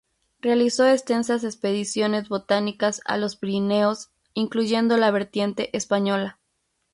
Realizó extensas expediciones botánicas a los Pirineos, incluyendo la vertiente española.